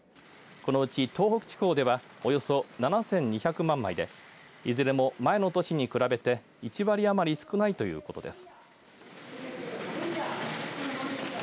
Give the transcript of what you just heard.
このうち東北地方ではおよそ７２００万枚でいずれも前の年に比べて１割余り少ないということです。